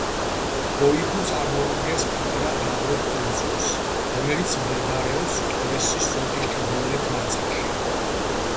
ბოიგუ წარმოადგენს პატარა დაბლობ კუნძულს, რომელიც მდებარეობს ტორესის სრუტის ჩრდილოეთ ნაწილში.